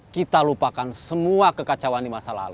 kita lupakan semua kekacauan di masa lalu